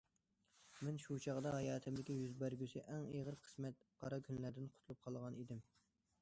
مەن شۇ چاغدا ھاياتىمدىكى يۈز بەرگۈسى ئەڭ ئېغىر قىسمەت، قارا كۈنلەردىن قۇتۇلۇپ قالغان ئىدىم.